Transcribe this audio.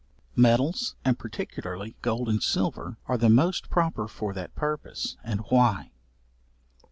Metals, and particularly gold and silver, are the most proper for that purpose, and why.